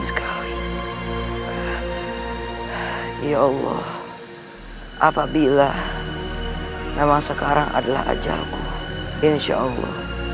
cepat serahkan lalu saya